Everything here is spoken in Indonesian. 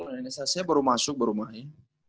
organisasinya baru masuk baru main